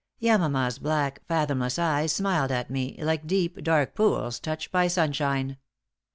Yamama's black, fathomless eyes smiled at me, like deep, dark pools touched by sunshine.